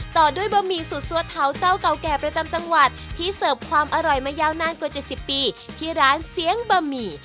ต่อด้วยบะหมี่สูตรซัวเท้าเจ้าเก่าแก่ประจำจังหวัดที่เสิร์ฟความอร่อยมายาวนานกว่า๗๐ปีที่ร้านเสียงบะหมี่